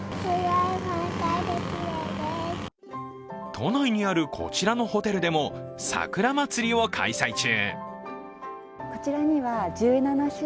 都内にあるこちらのホテルでも桜まつりを開催中。